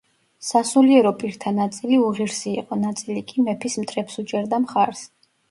სასულიერო პირთა ნაწილი უღირსი იყო, ნაწილი კი მეფის მტრებს უჭერდა მხარს.